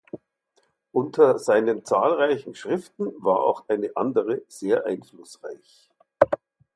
Unter seinen zahlreichen Schriften war auch eine andere sehr einflussreich.